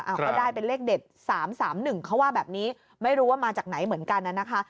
ก็ได้เป็นเลขเด็ด๓๓๑เขาว่าแบบนี้ไม่รู้ว่ามาจากไหนเหมือนกันน่ะนะคะ